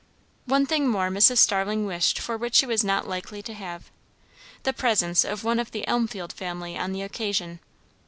One thing more Mrs. Starling wished for which she was not likely to have, the presence of one of the Elmfield family on the occasion.